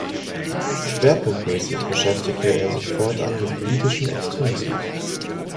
Schwerpunktmäßig beschäftigte er sich fortan mit politischem Extremismus.